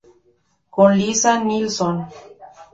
Con Lisa Nilsson